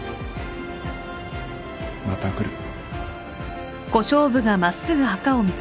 また来る。